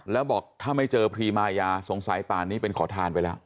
แล้วบอกถ้าไม่เจอพรีมายาสงสัยป่านนี้เป็นขอทานไปแล้ว